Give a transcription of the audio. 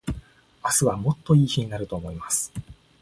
明日はもっと良い日になると思います。